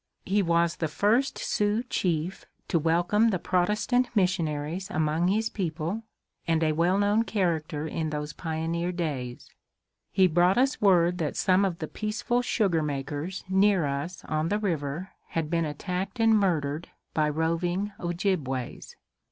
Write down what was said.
He was the first Sioux chief to welcome the Protestant missionaries among his people, and a well known character in those pioneer days. He brought us word that some of the peaceful sugar makers near us on the river had been attacked and murdered by roving Ojibways.